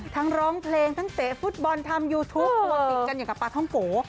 ร้องเพลงทั้งเตะฟุตบอลทำยูทูปตัวติดกันอย่างกับปลาท่องโก